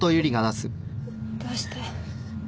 どうして？